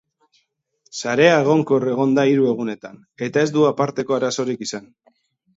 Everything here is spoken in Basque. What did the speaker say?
Sarea egonkor egon da hiru egunetan, eta ez du aparteko arazorik izan.